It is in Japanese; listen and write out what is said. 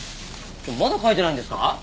まだ書いてないんですか？